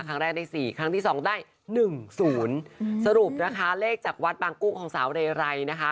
ครั้งแรกได้๔ครั้งที่๒ได้๑๐สรุปนะคะเลขจากวัดปังกุ้งของสาวเรไรนะคะ